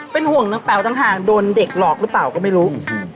เป็นห่วงนางเป๋าต่างหากโดนเด็กหลอกหรือเปล่าก็ไม่รู้